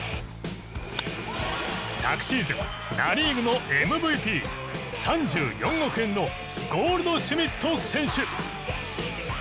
昨シーズンナ・リーグのＭＶＰ３４億円のゴールドシュミット選手。